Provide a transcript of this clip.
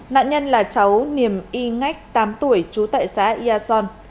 nạn nhân là cháu niềm y ngách tám tuổi trú tại xã ia son